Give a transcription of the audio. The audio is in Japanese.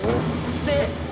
「せ」！